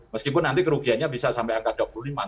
meskipun nanti kerugiannya bisa sampai angka dua puluh lima